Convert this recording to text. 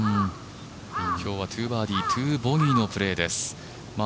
今日は２バーディー２ボギーのプレーです。